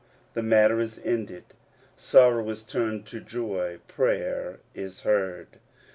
*' The matter is ended ; sorrow is turned to joy ; prayer is heard.